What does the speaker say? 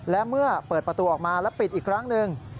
และเมื่อเปิดประตูออกมาแล้วปิดอีกครั้งหนึ่ง